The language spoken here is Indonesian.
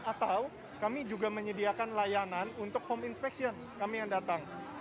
atau kami juga menyediakan layanan untuk home inspection kami yang datang